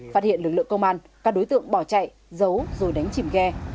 phát hiện lực lượng công an các đối tượng bỏ chạy giấu rồi đánh chìm ghe